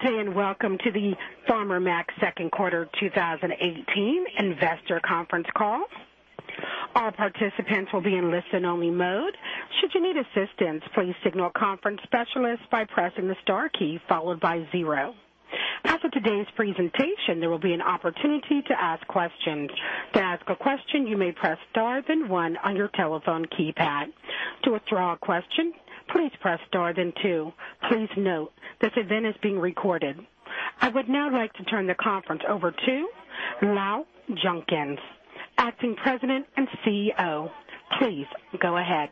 Good day, welcome to the Farmer Mac second quarter 2018 investor conference call. All participants will be in listen-only mode. Should you need assistance, please signal a conference specialist by pressing the star key, followed by zero. After today's presentation, there will be an opportunity to ask questions. To ask a question, you may press star, then one on your telephone keypad. To withdraw a question, please press star, then two. Please note, this event is being recorded. I would now like to turn the conference over to Lowell Junkins, Acting President and CEO. Please go ahead.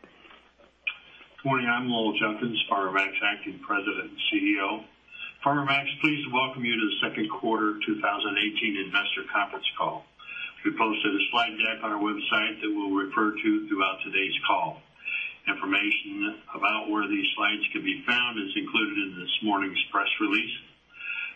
Good morning. I'm Lowell Junkins, Farmer Mac's Acting President and CEO. Farmer Mac's pleased to welcome you to the second quarter 2018 investor conference call. We posted a slide deck on our website that we'll refer to throughout today's call. Information about where these slides can be found is included in this morning's press release.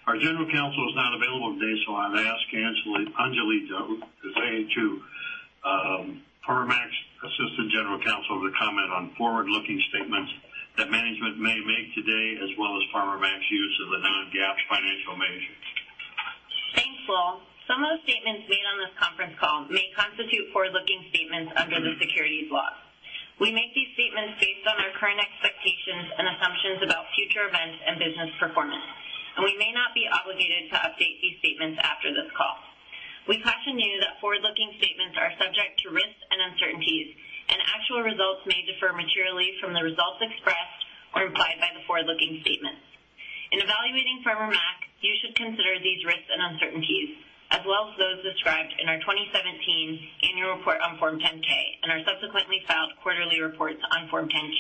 Our General Counsel is not available today, so I've asked Anjali Devendran, Farmer Mac's Assistant General Counsel, to comment on forward-looking statements that management may make today, as well as Farmer Mac's use of the non-GAAP financial measures. Thanks, Lowell. Some of the statements made on this conference call may constitute forward-looking statements under the securities laws. We make these statements based on our current expectations and assumptions about future events and business performance, we may not be obligated to update these statements after this call. We caution you that forward-looking statements are subject to risks and uncertainties, actual results may differ materially from the results expressed or implied by the forward-looking statements. In evaluating Farmer Mac, you should consider these risks and uncertainties, as well as those described in our 2017 annual report on Form 10-K and our subsequently filed quarterly reports on Form 10-Q.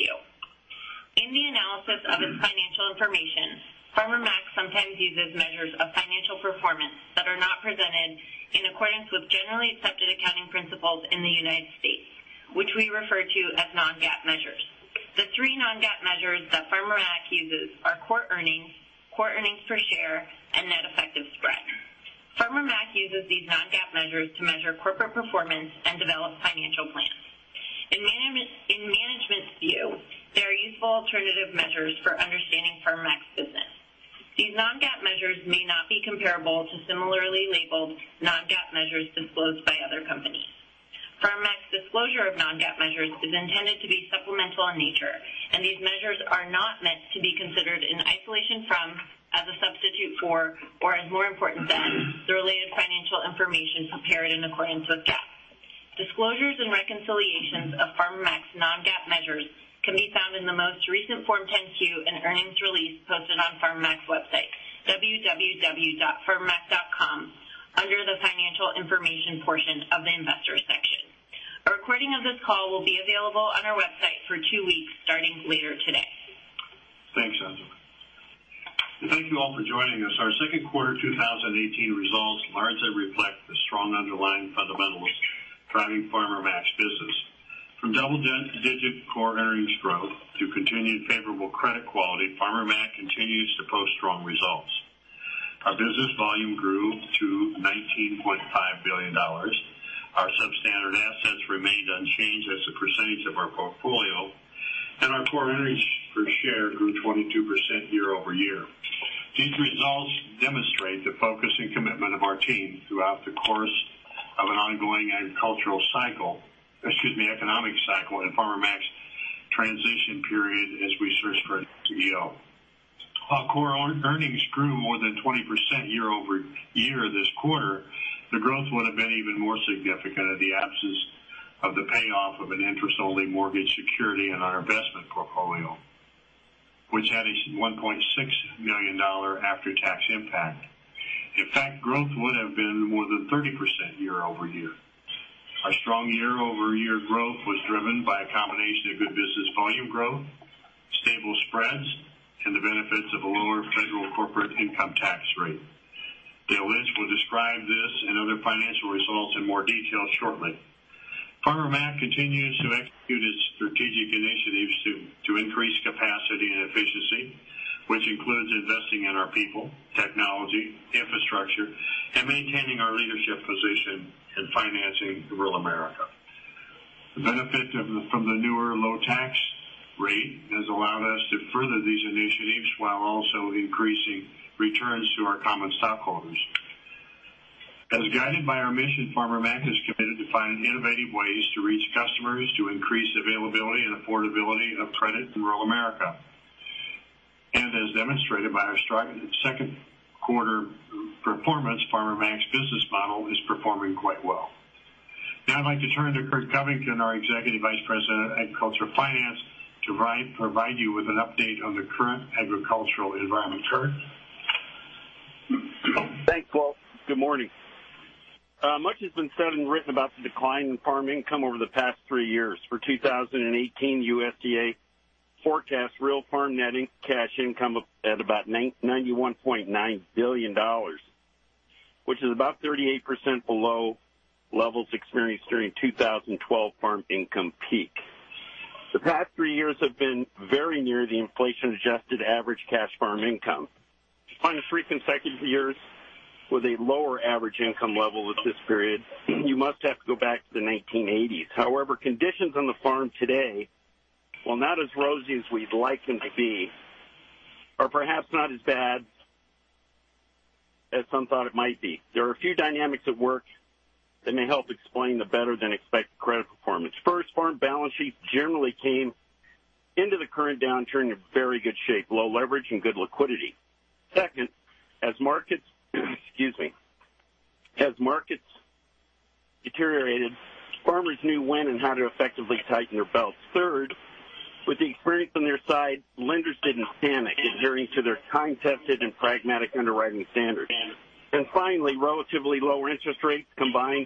In the analysis of its financial information, Farmer Mac sometimes uses measures of financial performance that are not presented in accordance with generally accepted accounting principles in the United States, which we refer to as non-GAAP measures. The three non-GAAP measures that Farmer Mac uses are core earnings, core earnings per share, and net effective spread. Farmer Mac uses these non-GAAP measures to measure corporate performance and develop financial plans. In management's view, they are useful alternative measures for understanding Farmer Mac's business. These non-GAAP measures may not be comparable to similarly labeled non-GAAP measures disclosed by other companies. Farmer Mac's disclosure of non-GAAP measures is intended to be supplemental in nature, these measures are not meant to be considered in isolation from, as a substitute for, or as more important than the related financial information prepared in accordance with GAAP. Disclosures and reconciliations of Farmer Mac's non-GAAP measures can be found in the most recent Form 10-Q and earnings release posted on Farmer Mac's website, www.farmermac.com, under the Financial Information portion of the Investors section. A recording of this call will be available on our website for two weeks, starting later today. Thanks, Anjali. Thank you all for joining us. Our second quarter 2018 results largely reflect the strong underlying fundamentals driving Farmer Mac's business. From double-digit core earnings growth to continued favorable credit quality, Farmer Mac continues to post strong results. Our business volume grew to $19.5 billion. Our substandard assets remained unchanged as a percentage of our portfolio, and our core earnings per share grew 22% year-over-year. These results demonstrate the focus and commitment of our team throughout the course of an ongoing economic cycle in Farmer Mac's transition period as we search for an CEO. While core earnings grew more than 20% year-over-year this quarter, the growth would have been even more significant in the absence of the payoff of an interest-only mortgage security in our investment portfolio, which had a $1.6 million after-tax impact. In fact, growth would have been more than 30% year-over-year. Our strong year-over-year growth was driven by a combination of good business volume growth, stable spreads, and the benefits of a lower federal corporate income tax rate. Dale Lynch will describe this and other financial results in more detail shortly. Farmer Mac continues to execute its strategic initiatives to increase capacity and efficiency, which includes investing in our people, technology, infrastructure, and maintaining our leadership position in financing rural America. The benefit from the newer low tax rate has allowed us to further these initiatives while also increasing returns to our common stockholders. As guided by our mission, Farmer Mac is committed to finding innovative ways to reach customers to increase availability and affordability of credit in rural America. As demonstrated by our second quarter performance, Farmer Mac's business model is performing quite well. Now I'd like to turn to Curt Covington, our Executive Vice President of Agricultural Finance, to provide you with an update on the current agricultural environment. Curt? Thanks, Lowell. Good morning. Much has been said and written about the decline in farm income over the past three years. For 2018, USDA forecasts real farm net cash income at about $91.9 billion, which is about 38% below levels experienced during 2012 farm income peak. The past three years have been very near the inflation-adjusted average cash farm income. To find the three consecutive years with a lower average income level at this period, you must have to go back to the 1980s. However, conditions on the farm today, while not as rosy as we'd like them to be, are perhaps not as bad as some thought it might be. There are a few dynamics at work that may help explain the better than expected credit performance. First, farm balance sheets generally came into the current downturn in very good shape, low leverage and good liquidity. Second, as markets deteriorated, farmers knew when and how to effectively tighten their belts. Third, with the experience on their side, lenders didn't panic, adhering to their time-tested and pragmatic underwriting standards. Finally, relatively lower interest rates combined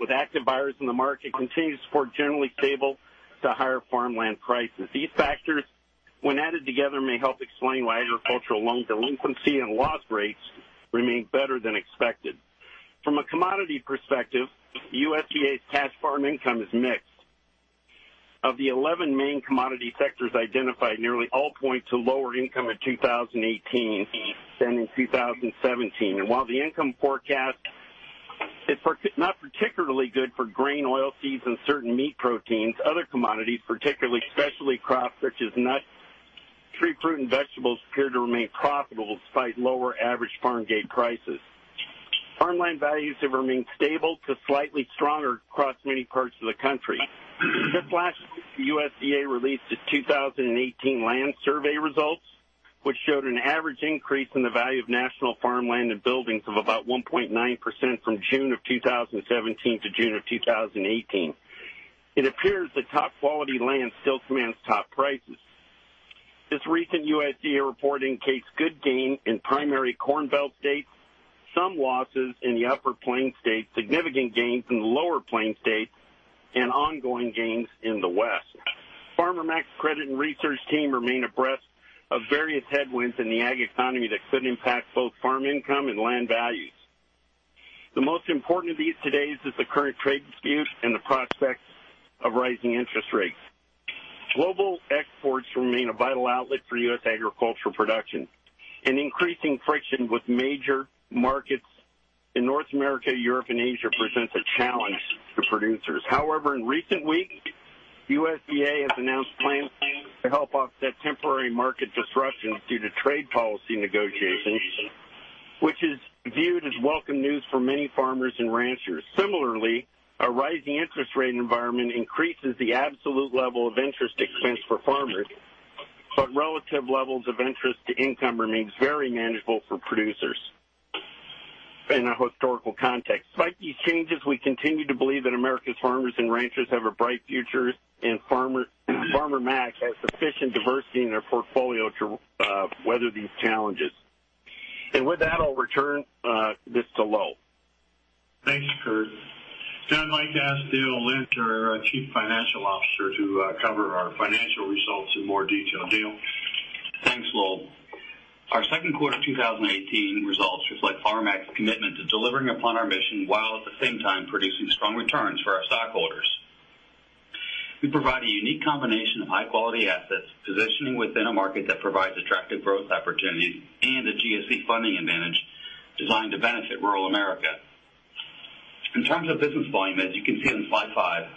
with active buyers in the market continued support generally stable to higher farmland prices. These factors, when added together, may help explain why agricultural loan delinquency and loss rates remain better than expected. From a commodity perspective, USDA's cash farm income is mixed. Of the 11 main commodity sectors identified, nearly all point to lower income in 2018 than in 2017. While the income forecast is not particularly good for grain, oilseeds, and certain meat proteins, other commodities, particularly specialty crops such as nuts, tree fruit, and vegetables appear to remain profitable despite lower average farm gate prices. Farmland values have remained stable to slightly stronger across many parts of the country. This last week, the USDA released its 2018 land survey results, which showed an average increase in the value of national farmland and buildings of about 1.9% from June of 2017 to June of 2018. It appears that top quality land still commands top prices. This recent USDA report indicates good gains in primary Corn Belt states, some losses in the upper Plains states, significant gains in the lower Plains states, and ongoing gains in the West. Farmer Mac's credit and research team remain abreast of various headwinds in the ag economy that could impact both farm income and land values. The most important of these today is the current trade dispute and the prospects of rising interest rates. Global exports remain a vital outlet for U.S. agricultural production. Increasing friction with major markets in North America, Europe, and Asia presents a challenge to producers. However, in recent weeks, USDA has announced plans to help offset temporary market disruptions due to trade policy negotiations, which is viewed as welcome news for many farmers and ranchers. Similarly, a rising interest rate environment increases the absolute level of interest expense for farmers. Relative levels of interest to income remains very manageable for producers in a historical context. Despite these changes, we continue to believe that America's farmers and ranchers have a bright future, and FarmMac has sufficient diversity in our portfolio to weather these challenges. With that, I'll return this to Lowell. Thanks, Curt. Now I'd like to ask Dale Lynch, our Chief Financial Officer, to cover our financial results in more detail. Dale? Thanks, Lowell. Our second quarter 2018 results reflect Farmer Mac's commitment to delivering upon our mission while at the same time producing strong returns for our stockholders. We provide a unique combination of high-quality assets, positioning within a market that provides attractive growth opportunities, and a GSE funding advantage designed to benefit rural America. In terms of business volume, as you can see on slide five,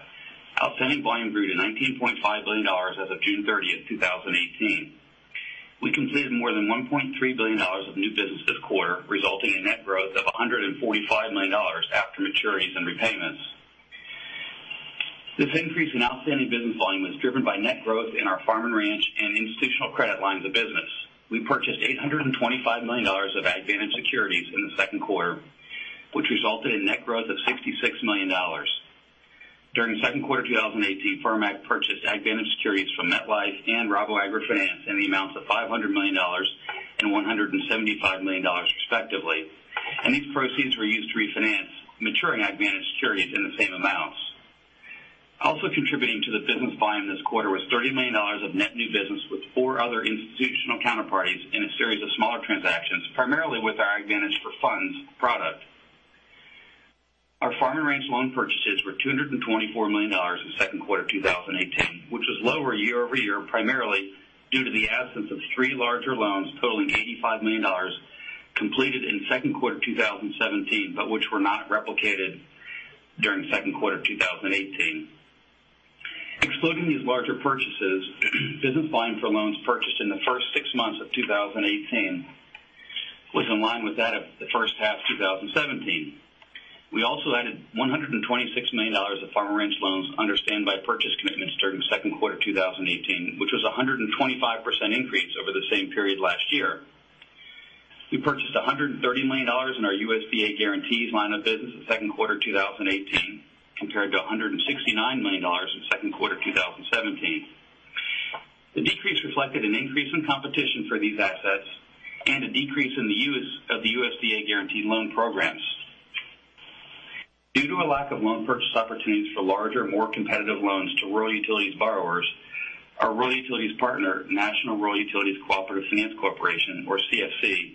outstanding volume grew to $19.5 billion as of June 30, 2018. We completed more than $1.3 billion of new business this quarter, resulting in net growth of $145 million after maturities and repayments. This increase in outstanding business volume was driven by net growth in our farm and ranch and institutional credit lines of business. We purchased $825 million of AgVantage securities in the second quarter, which resulted in net growth of $66 million. During the second quarter of 2018, Farmer Mac purchased AgVantage securities from MetLife and Rabo AgriFinance in the amounts of $500 million and $175 million respectively. These proceeds were used to refinance maturing AgVantage securities in the same amounts. Also contributing to the business volume this quarter was $30 million of net new business with four other institutional counterparties in a series of smaller transactions, primarily with our AgVantage for funds product. Our farm and ranch loan purchases were $224 million in the second quarter of 2018, which was lower year-over-year, primarily due to the absence of three larger loans totaling $85 million completed in the second quarter of 2017, but which were not replicated during the second quarter of 2018. Excluding these larger purchases, business volume for loans purchased in the first six months of 2018 was in line with that of the first half 2017. We also added $126 million of farm and ranch loans under standby purchase commitments during the second quarter 2018, which was 125% increase over the same period last year. We purchased $130 million in our USDA guarantees line of business in the second quarter 2018, compared to $169 million in the second quarter 2017. The decrease reflected an increase in competition for these assets and a decrease in the use of the USDA guarantee loan programs. Due to a lack of loan purchase opportunities for larger, more competitive loans to Rural Utilities borrowers, our Rural Utilities partner, National Rural Utilities Cooperative Finance Corporation or CFC,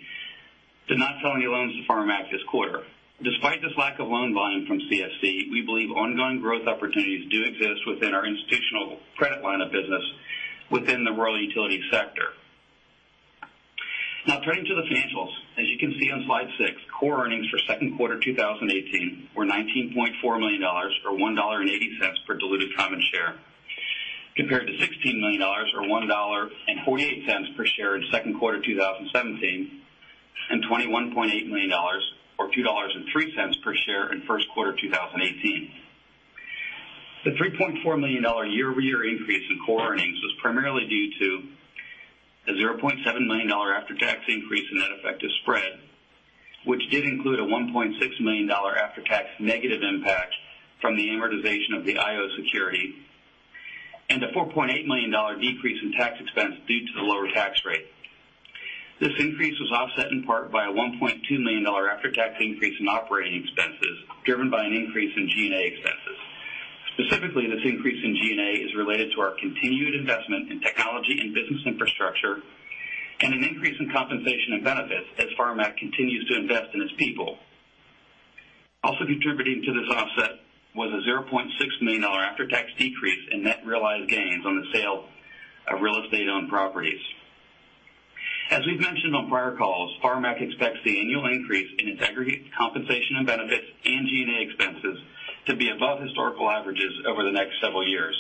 did not sell any loans to Farmer Mac this quarter. Despite this lack of loan volume from CFC, we believe ongoing growth opportunities do exist within our institutional credit line of business within the Rural Utilities sector. Turning to the financials. As you can see on slide six, core earnings for Q2 2018 were $19.4 million, or $1.80 per diluted common share, compared to $16 million, or $1.48 per share in Q2 2017, and $21.8 million or $2.03 per share in Q1 2018. The $3.4 million year-over-year increase in core earnings was primarily due to a $0.7 million after-tax increase in net effective spread, which did include a $1.6 million after-tax negative impact from the amortization of the IO security and a $4.8 million decrease in tax expense due to the lower tax rate. This increase was offset in part by a $1.2 million after-tax increase in operating expenses driven by an increase in G&A expenses. Specifically, this increase in G&A is related to our continued investment in technology and business infrastructure and an increase in compensation and benefits as Farmer Mac continues to invest in its people. Also contributing to this offset was a $0.6 million after-tax decrease in net realized gains on the sale of real estate-owned properties. As we've mentioned on prior calls, Farmer Mac expects the annual increase in its aggregate compensation and benefits and G&A expenses to be above historical averages over the next several years.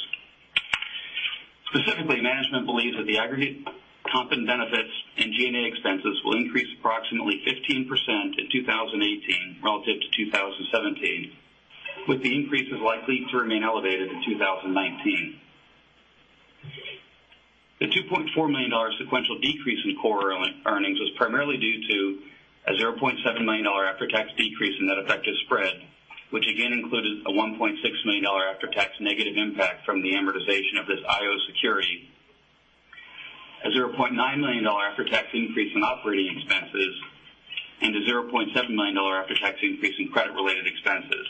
Specifically, management believes that the aggregate comp and benefits and G&A expenses will increase approximately 15% in 2018 relative to 2017, with the increases likely to remain elevated in 2019. The $2.4 million sequential decrease in core earnings was primarily due to a $0.7 million after-tax decrease in net effective spread, which again included a $1.6 million after-tax negative impact from the amortization of this IO security, a $0.9 million after-tax increase in operating expenses, and a $0.7 million after-tax increase in credit-related expenses.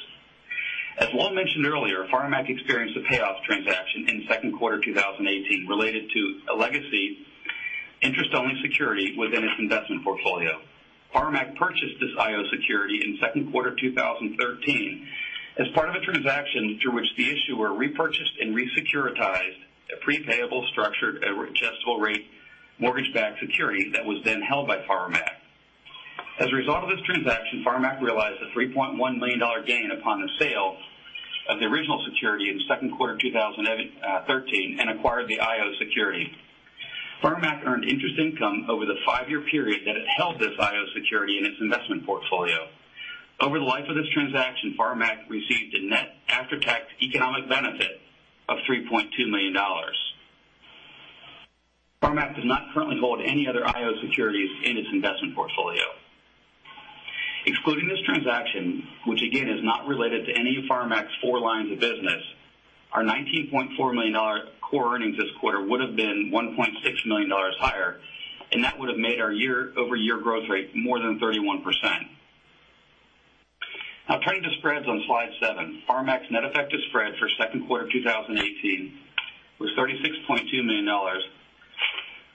As Lowell mentioned earlier, Farmer Mac experienced a payoff transaction in Q2 2018 related to a legacy interest-only security within its investment portfolio. Farmer Mac purchased this IO security in Q2 2013 as part of a transaction through which the issuer repurchased and re-securitized a pre-payable structured adjustable rate mortgage-backed security that was then held by Farmer Mac. As a result of this transaction, Farmer Mac realized a $3.1 million gain upon the sale of the original security in Q2 2013 and acquired the IO security. Farmer Mac earned interest income over the five-year period that it held this IO security in its investment portfolio. Over the life of this transaction, Farmer Mac received a net after-tax economic benefit of $3.2 million. Farmer Mac does not currently hold any other IO securities in its investment portfolio. Excluding this transaction, which again is not related to any of Farmer Mac's four lines of business, our $19.4 million core earnings this quarter would've been $1.6 million higher, and that would've made our year-over-year growth rate more than 31%. Turning to spreads on slide seven. Farmer Mac's net effective spread for Q2 2018 was $36.2 million,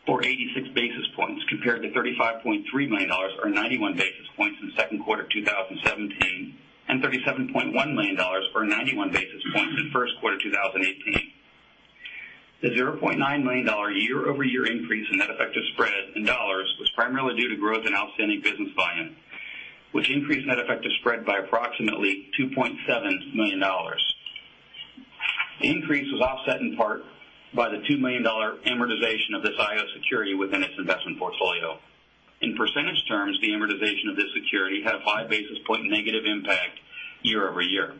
or 86 basis points, compared to $35.3 million or 91 basis points in Q2 2017, and $37.1 million or 91 basis points in Q1 2018. The $0.9 million year-over-year increase in net effective spread in dollars was primarily due to growth in outstanding business volume, which increased net effective spread by approximately $2.7 million. The increase was offset in part by the $2 million amortization of this IO security within its investment portfolio. In percentage terms, the amortization of this security had a five basis point negative impact year over year.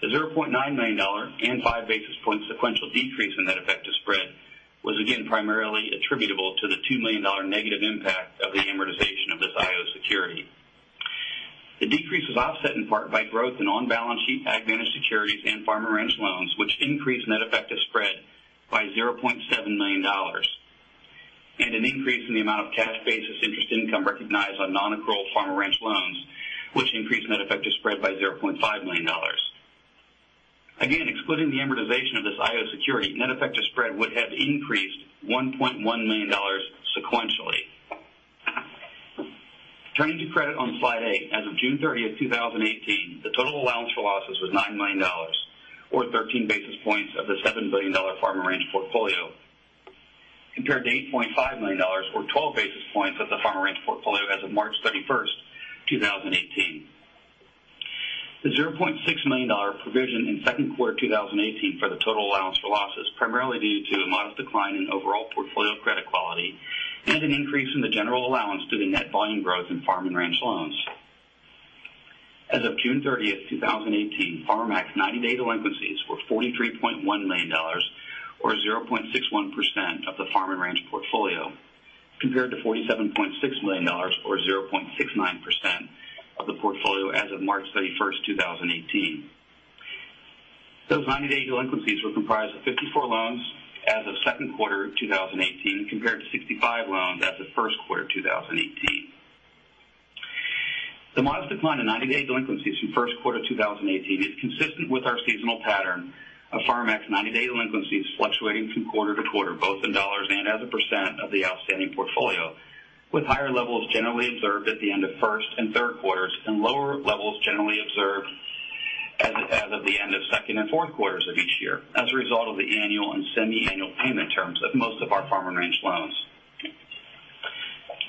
The $0.9 million and five basis point sequential decrease in net effective spread was again primarily attributable to the $2 million negative impact of the amortization of this IO security. The decrease was offset in part by growth in on-balance sheet ag managed securities and farm and ranch loans, which increased net effective spread by $0.7 million, and an increase in the amount of tax basis interest income recognized on non-accrual farm and ranch loans, which increased net effective spread by $0.5 million. Again, excluding the amortization of this IO security, net effective spread would have increased $1.1 million sequentially. Turning to credit on slide eight. As of June 30th, 2018, the total allowance for losses was $9 million, or 13 basis points of the $7 billion farm and ranch portfolio, compared to $8.5 million or 12 basis points of the farm and ranch portfolio as of March 31st, 2018. The $0.6 million provision in Q2 2018 for the total allowance for losses primarily due to a modest decline in overall portfolio credit quality and an increase in the general allowance due to net volume growth in farm and ranch loans. As of June 30th, 2018, Farmer Mac's 90-day delinquencies were $43.1 million or 0.61% of the farm and ranch portfolio, compared to $47.6 million or 0.69% of the portfolio as of March 31st, 2018. Those 90-day delinquencies were comprised of 54 loans as of Q2 2018, compared to 65 loans as of first quarter 2018. The modest decline in 90-day delinquencies from first quarter 2018 is consistent with our seasonal pattern of Farmer Mac's 90-day delinquencies fluctuating from quarter to quarter, both in dollars and as a percent of the outstanding portfolio. With higher levels generally observed at the end of first and third quarters, and lower levels generally observed as of the end of second and fourth quarters of each year, as a result of the annual and semi-annual payment terms of most of our farm and ranch loans.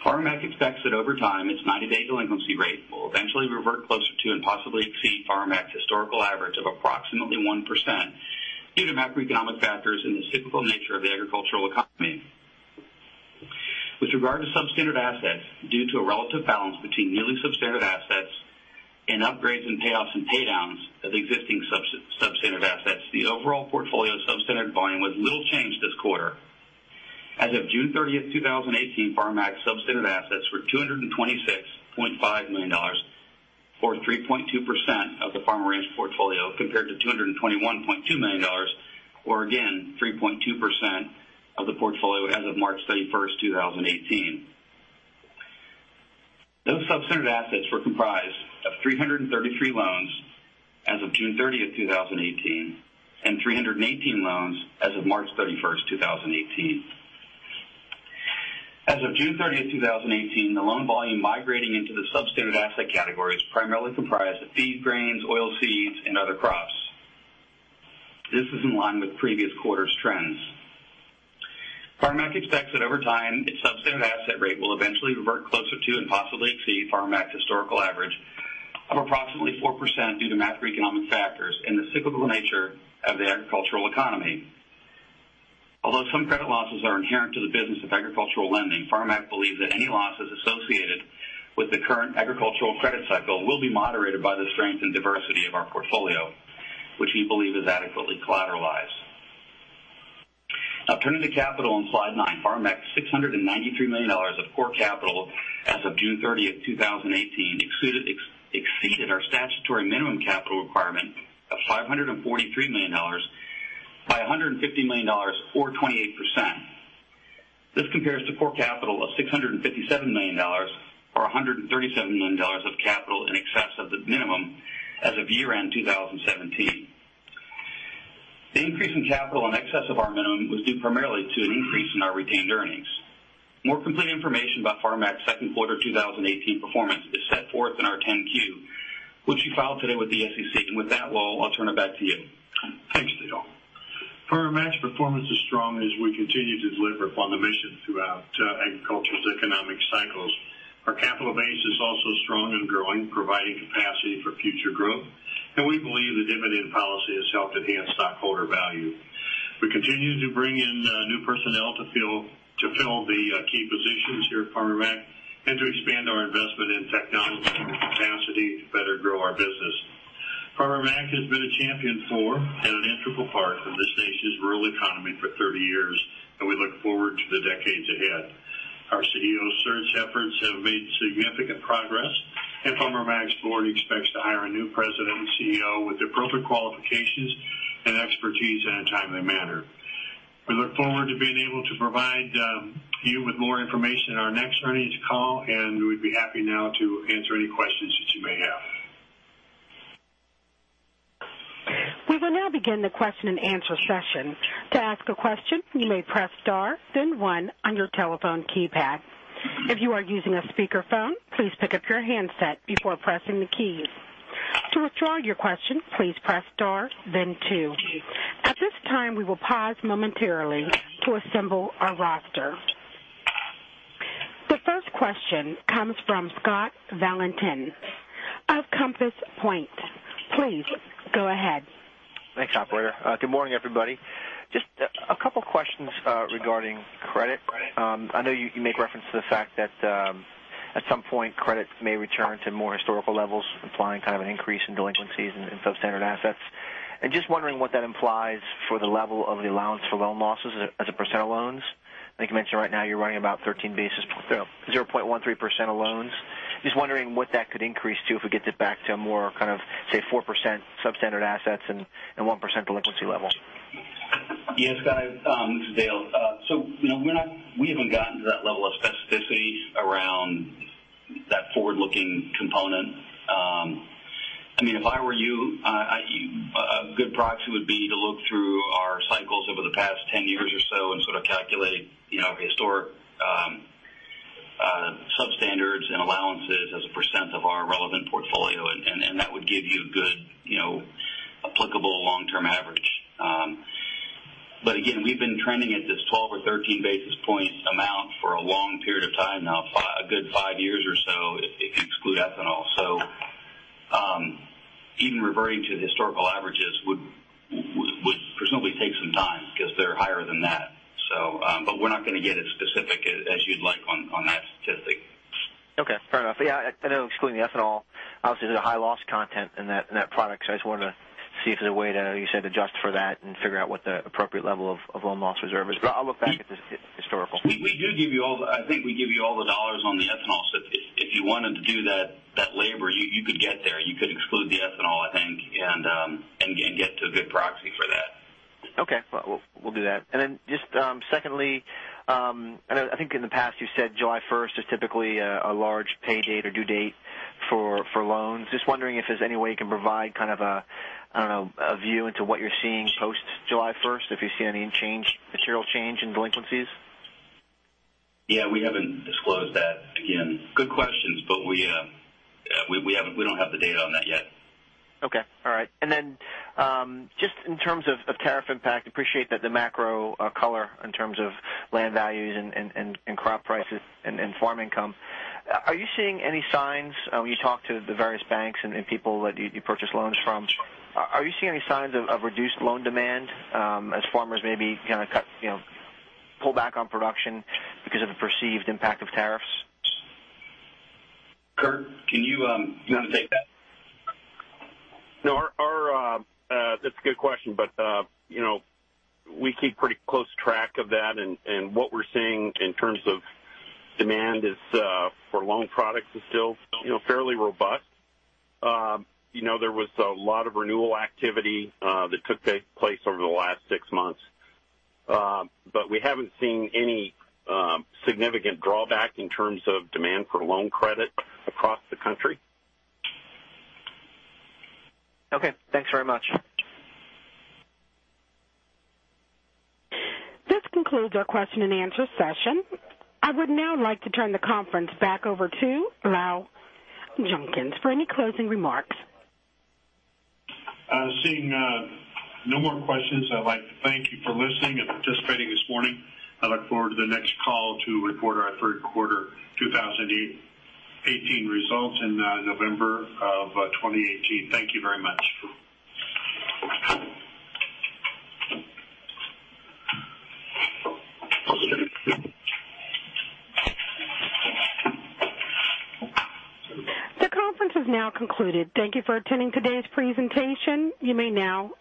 Farmer Mac expects that over time, its 90-day delinquency rate will eventually revert closer to and possibly exceed Farmer Mac's historical average of approximately 1%, due to macroeconomic factors and the cyclical nature of the agricultural economy. With regard to substandard assets, due to a relative balance between newly substandard assets and upgrades in payoffs and pay downs of existing substandard assets, the overall portfolio substandard volume was little changed this quarter. As of June 30th, 2018, Farmer Mac's substandard assets were $226.5 million, or 3.2% of the farm and ranch portfolio, compared to $221.2 million, or again 3.2% of the portfolio as of March 31st, 2018. Those substandard assets were comprised of 333 loans as of June 30th, 2018 and 318 loans as of March 31st, 2018. As of June 30th, 2018, the loan volume migrating into the substandard asset category is primarily comprised of feed grains, oilseeds, and other crops. This is in line with previous quarters' trends. Farmer Mac expects that over time, its substandard asset rate will eventually revert closer to and possibly exceed Farmer Mac's historical average of approximately 4% due to macroeconomic factors and the cyclical nature of the agricultural economy. Although some credit losses are inherent to the business of agricultural lending, Farmer Mac believes that any losses associated with the current agricultural credit cycle will be moderated by the strength and diversity of our portfolio, which we believe is adequately collateralized. Now turning to capital on slide nine, Farmer Mac's $693 million of core capital as of June 30th, 2018, exceeded our statutory minimum capital requirement of $543 million by $150 million or 28%. This compares to core capital of $657 million or $137 million of capital in excess of the minimum as of year-end 2017. The increase in capital in excess of our minimum was due primarily to an increase in our retained earnings. More complete information about Farmer Mac's second quarter 2018 performance is set forth in our 10-Q, which we filed today with the SEC. With that, Lowell, I'll turn it back to you. Thanks, Dale. Farmer Mac's performance is strong as we continue to deliver upon the mission throughout agriculture's economic cycles. Our capital base is also strong and growing, providing capacity for future growth, and we believe the dividend policy has helped enhance stockholder value. We continue to bring in new personnel to fill the key positions here at Farmer Mac and to expand our investment in technology and capacity to better grow our business. Farmer Mac has been a champion for and an integral part of this nation's rural economy for 30 years, and we look forward to the decades ahead. Our CEO search efforts have made significant progress, and Farmer Mac's board expects to hire a new president and CEO with the appropriate qualifications and expertise in a timely manner. We look forward to being able to provide you with more information in our next earnings call. We'd be happy now to answer any questions that you may have. We will now begin the question and answer session. To ask a question, you may press star then one on your telephone keypad. If you are using a speakerphone, please pick up your handset before pressing the keys. To withdraw your question, please press star then two. At this time, we will pause momentarily to assemble our roster. The first question comes from Scott Valentin of Compass Point. Please go ahead. Thanks, operator. Good morning, everybody. Just a couple questions regarding credit. I know you make reference to the fact that at some point, credit may return to more historical levels, implying kind of an increase in delinquencies and substandard assets. I'm just wondering what that implies for the level of the allowance for loan losses as a % of loans. I think you mentioned right now you're running about 13 basis, 0.13% of loans. Just wondering what that could increase to if we get this back to a more kind of, say, 4% substandard assets and 1% delinquency level. Yes, Scott, this is Dale. We haven't gotten to that level of specificity around that forward-looking component. If I were you, a good proxy would be to look through our cycles over the past 10 years or so and sort of calculate historic substandards and allowances as a % of our relevant portfolio, and that would give you a good applicable long-term average. Again, we've been trending at this 12 or 13 basis points amount for a long period of time now, a good five years or so, exclude ethanol. Even reverting to the historical averages would presumably take some time because they're higher than that. We're not going to get as specific as you'd like on that statistic. Okay. Fair enough. Yeah, I know excluding the ethanol, obviously, there's a high loss content in that product, I just wanted to see if there's a way to, as you said, adjust for that and figure out what the appropriate level of loan loss reserve is. I'll look back at the historical. I think we give you all the $ on the ethanol. If you wanted to do that labor, you could get there. You could exclude the ethanol, I think, and get to a good proxy for that. Okay. We'll do that. Then just secondly, I think in the past you said July 1st is typically a large pay date or due date for loans. Just wondering if there's any way you can provide a view into what you're seeing post July 1st, if you see any material change in delinquencies? Yeah, we haven't disclosed that again. Good questions, but we don't have the data on that yet. Okay. All right. Then just in terms of tariff impact, appreciate that the macro color in terms of land values and crop prices and farm income. Are you seeing any signs when you talk to the various banks and people that you purchase loans from, are you seeing any signs of reduced loan demand, as farmers maybe pull back on production because of the perceived impact of tariffs? Curt, can you take that? That's a good question. We keep pretty close track of that, and what we're seeing in terms of demand for loan products is still fairly robust. There was a lot of renewal activity that took place over the last six months. We haven't seen any significant drawback in terms of demand for loan credit across the country. Okay, thanks very much. This concludes our question and answer session. I would now like to turn the conference back over to Lowell Junkins for any closing remarks. Seeing no more questions, I'd like to thank you for listening and participating this morning. I look forward to the next call to report our third quarter 2018 results in November of 2018. Thank you very much. The conference has now concluded. Thank you for attending today's presentation. You may now disconnect.